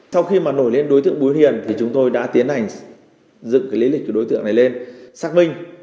sau khi mà nổi lên đối tượng bùi hiền thì chúng tôi đã tiến hành dựng cái lý lịch của đối tượng này lên xác minh